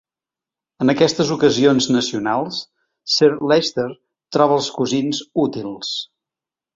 En aquestes ocasions nacionals, Sir Leicester troba els cosins útils.